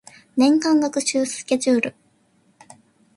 年間学習スケジュール